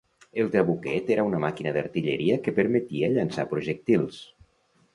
El trabuquet era una màquina d'artilleria que permetia llançar projectils.